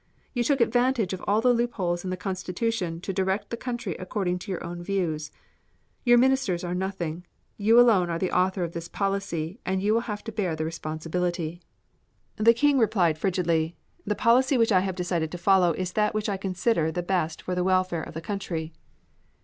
You took advantage of all the loopholes in the Constitution to direct the country according to your own views. Your Ministers are nothing. You alone are the author of this policy and you will have to bear the responsibility." The King replied frigidly, "The policy which I have decided to follow is that which I consider the best for the welfare of the country."